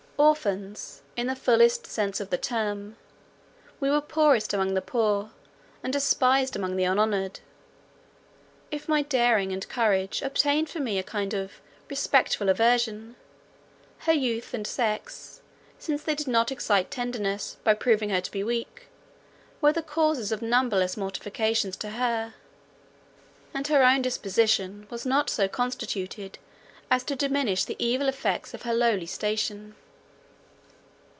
Orphans, in the fullest sense of the term, we were poorest among the poor, and despised among the unhonoured. If my daring and courage obtained for me a kind of respectful aversion, her youth and sex, since they did not excite tenderness, by proving her to be weak, were the causes of numberless mortifications to her; and her own disposition was not so constituted as to diminish the evil effects of her lowly station.